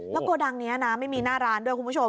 โกดังนี้นะไม่มีหน้าร้านด้วยคุณผู้ชม